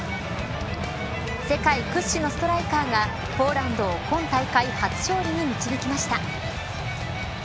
世界屈指のストライカーがポーランドを今大会初勝利に導きました。